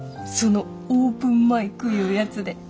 そのオープンマイクいうやつで。